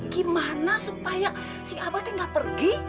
gimana supaya si abah teh gak pergi